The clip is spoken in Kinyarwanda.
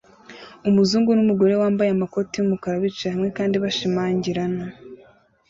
Umuzungu numugore wambaye amakoti yumukara bicaye hamwe kandi bishimangirana